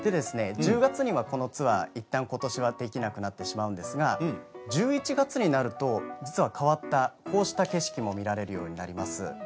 １０月にはこのツアーいったんできなくなってしまうんですが１１月になると実はこうした景色も見られるようになります。